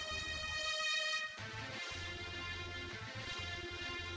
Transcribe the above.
yang ingin men transporting banyutirta suka sekali ya bapak